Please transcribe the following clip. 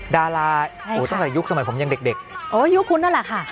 ดาราตั้งแต่ยุคสมัยผมยังเด็กโอ้ยุคคุณนั่นแหละค่ะ